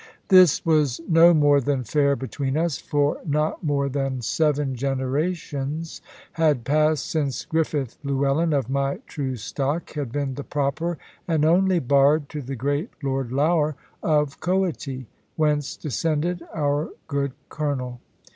This was no more than fair between us; for not more than seven generations had passed since Griffith Llewellyn, of my true stock, had been the proper and only bard to the great Lord Lougher of Coity, whence descended our good Colonel.